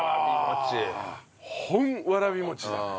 「本」わらびもちだ。